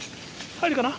入るかな？